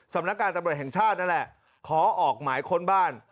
สำนักการตำรวจแห่งชาตินั่นแหละขอออกหมายค้นบ้าน